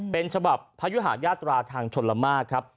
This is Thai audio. เป็นฉบับพยุหาญาตราทางชนละมากครับ